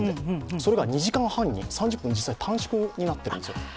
それが２時間半に３０分、実際に短縮になっているんですよ。